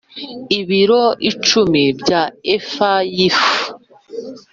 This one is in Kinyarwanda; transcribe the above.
ibiro cumi bya efa y ifu